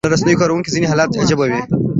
خواله رسنیو کاروونکو ځینې حالات عجيبه وي